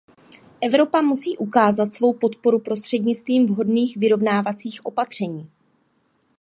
Evropa musí ukázat svou podporu prostřednictvím vhodných vyrovnávacích opatření.